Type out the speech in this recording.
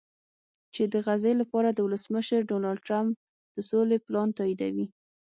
چې د غزې لپاره د ولسمشر ډونالډټرمپ د سولې پلان تاییدوي